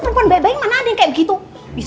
mungkin perubahan saya yang lebih balas